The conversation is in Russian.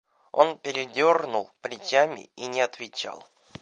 Он передёрнул плечами и не отвечал.